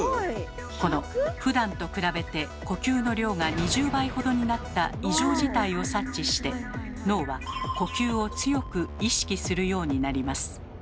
このふだんと比べて呼吸の量が２０倍ほどになった異常事態を察知して脳は呼吸を強く意識するようになります。